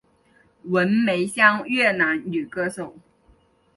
文梅香越南女歌手。